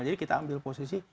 jadi kita ambil posisi